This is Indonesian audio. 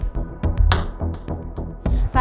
p engines udah